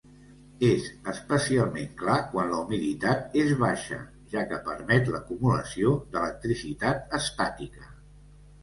És especialment clar quan la humiditat és baixa, ja que permet l'acumulació d'electricitat estàtica.